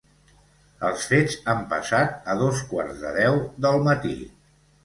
Els fets han passat a dos quarts de deu del matí.